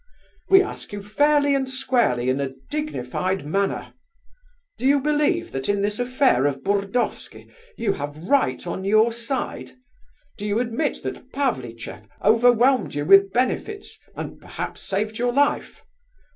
We ask you fairly and squarely in a dignified manner. Do you believe that in this affair of Burdovsky you have right on your side? Do you admit that Pavlicheff overwhelmed you with benefits, and perhaps saved your life?